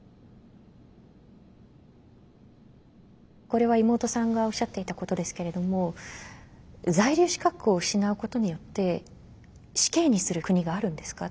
これは妹さんがおっしゃっていたことですけれども「在留資格を失うことによって死刑にする国があるんですか」